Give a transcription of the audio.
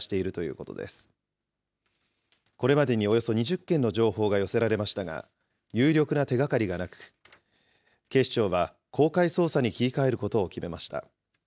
これまでにおよそ２０件の情報が寄せられましたが、有力な手がかりがなく、警視庁は公開捜査に切り替えることを決めました。